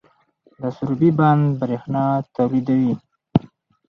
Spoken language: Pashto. د سروبي بند بریښنا تولیدوي